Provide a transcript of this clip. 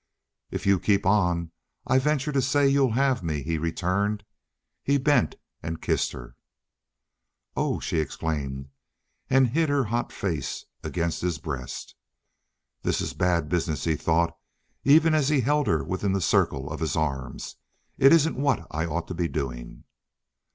"If you keep on I venture to say you'll have me," he returned. He bent and kissed her. "Oh," she exclaimed, and hid her hot face against his breast. "This is bad business," he thought, even as he held her within the circle of his arms. "It isn't what I ought to be doing."